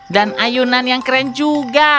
dan ayunan yang keren juga